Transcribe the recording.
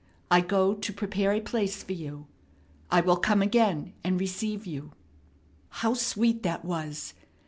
I go to prepare a place for you.... I will come again and receive you." How sweet that was!